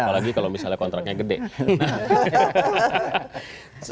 apalagi kalau misalnya kontraknya gede